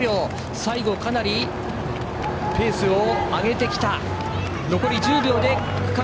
最後、かなりペースを上げてきた。